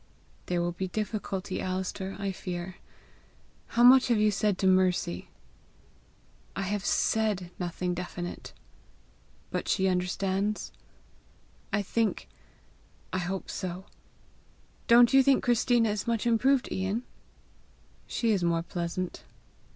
"There will be difficulty, Alister, I fear. How much have you said to Mercy?" "I have SAID nothing definite." "But she understands?" "I think I hope so. Don't you think Christina is much improved, lan?" "She is more pleasant."